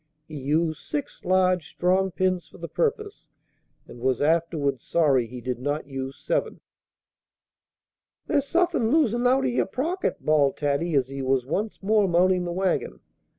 He used six large, strong pins for the purpose, and was afterwards sorry he did not use seven. "There's suthin' losin' out o' yer pocket!" bawled Taddy, as he was once more mounting the wagon.